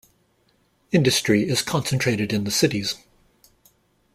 Industry is concentrated in the cities.